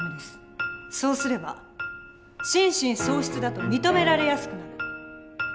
そうすれば心神喪失だと認められやすくなる。